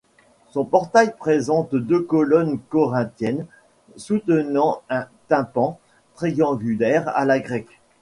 Son portail présente deux colonnes corinthiennes soutenant un tympan triangulaire à la grecque.